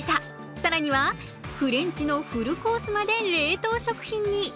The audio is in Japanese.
更には、フレンチのフルコースまで冷凍食品に。